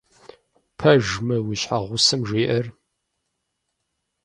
Пэж мы, уи щхьэгъусэм жиӀэр?